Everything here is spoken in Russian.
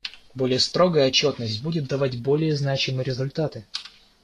Более строгая отчетность будет давать более значимые результаты.